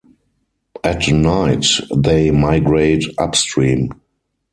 At night, they migrate upstream.